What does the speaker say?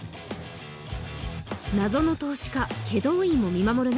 謎の投資家祁答院も見守る中